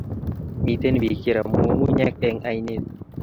miten pik che ramu ngungunyek en ainet